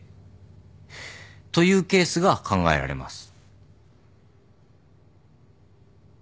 というケースが考えられます。